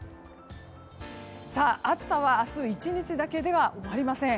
暑さは明日１日だけではありません。